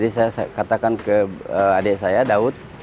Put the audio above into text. saya katakan ke adik saya daud